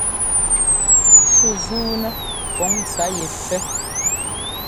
Shú zúunɛ́ pǔn ntsá yɛ fɛ́.